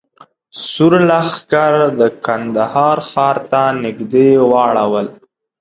سور لښکر د کندهار ښار ته نږدې واړول.